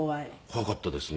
怖かったですね。